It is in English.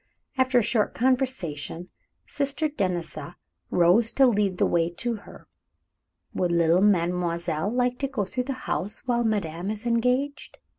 After a short conversation, Sister Denisa rose to lead the way to her. "Would the little mademoiselle like to go through the house while madame is engaged?"